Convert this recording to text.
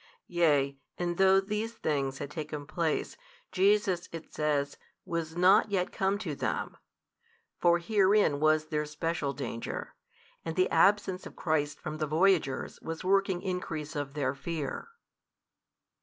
Yea, and though these things had taken place, Jesus (it says) was not yet come to them: for herein was their special danger, and the absence of Christ from the voyagers was working increase of their fear.